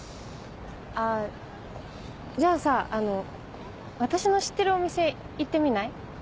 あぁじゃあさあの私の知ってるお店行ってみない？